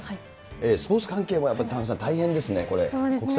スポーツ関係もやっぱり田中さん、大変ですね、これ。